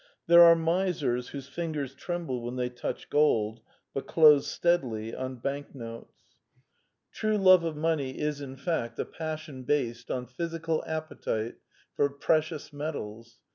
There are misers whose fingers tremble when they touch gold, but close steadily on banknotes. True i6o The Quintessence of Ibsenism love of money i$, in fact, a passion based on a physical appetite for precious metals.